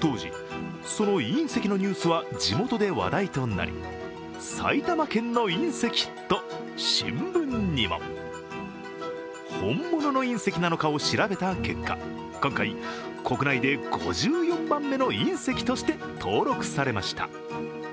当時、その隕石のニュースは地元で話題となり埼玉県のいん石と新聞にも。本物の隕石なのかを調べた結果、今回国内で５４番目の隕石として登録されました。